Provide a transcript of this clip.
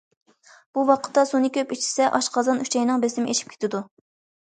بۇ ۋاقىتتا سۇنى كۆپ ئىچسە ئاشقازان، ئۈچەينىڭ بېسىمى ئېشىپ كېتىدۇ.